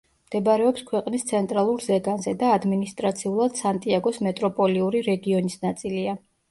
მდებარეობს ქვეყნის ცენტრალურ ზეგანზე და ადმინისტრაციულად სანტიაგოს მეტროპოლიური რეგიონის ნაწილია.